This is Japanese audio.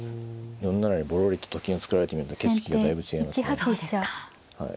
４七にぼろりとと金を作られてみると景色がだいぶ違いますね。